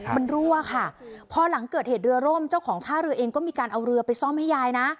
มันรั่วค่ะพอหลังเกิดเหตุเรือร่มเจ้าของท่าเรือเองก็มีการเอาเรือไปซ่อมให้ยายนะ